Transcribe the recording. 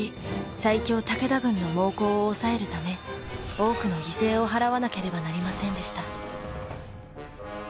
最強武田軍の猛攻を抑えるため多くの犠牲を払わなければなりませんでした。